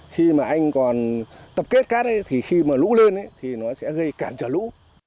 khi mà anh còn tập kết cát thì khi mà lũ lên thì nó sẽ gây cản trở lũ